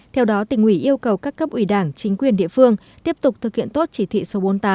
theo đó tỉnh ủy yêu cầu các cấp ủy đảng chính quyền địa phương tiếp tục thực hiện tốt chỉ thị số bốn mươi tám